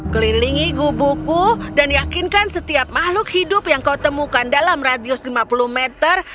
kelilingi gubuku dan yakinkan setiap makhluk hidup yang kau temukan dalam radius lima puluh meter